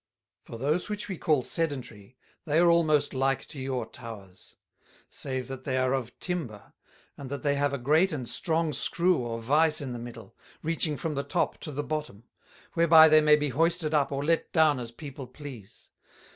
"For those which we call Sedentary, they are almost like to your Towers; save that they are of Timber, and that they have a Great and Strong Skrew or Vice in the Middle, reaching from the top to the Bottom; whereby they may be hoisted up or let down as People please.